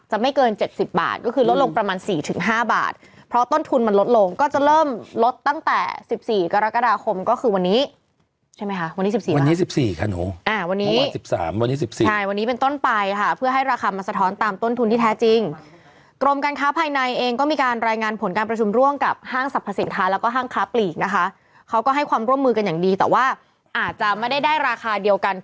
ห้าบาทเพราะต้นทุนมันลดลงก็จะเริ่มลดตั้งแต่สิบสี่กรกฎาคมก็คือวันนี้ใช่ไหมคะวันนี้สิบสี่วันนี้สิบสี่ค่ะหนูอ่าวันนี้สิบสามวันนี้สิบสี่ใช่วันนี้เป็นต้นไปค่ะเพื่อให้ราคามันสะท้อนตามต้นทุนที่แท้จริงกรมการค้าภายในเองก็มีการรายงานผลการประชุมร่วงกับห้างสรรพสินค้าแล้วก็ห้างค้า